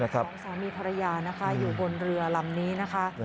สองสามีภรรยานะคะอยู่บนเรือลำนี้นะคะ